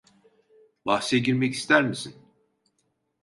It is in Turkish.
Bahse girmek ister misin?